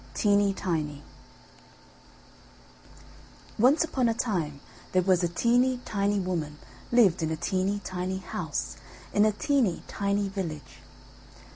TEENY TINY Once upon a time there was a teeny tiny woman lived in a teeny tiny house in a teeny tiny village.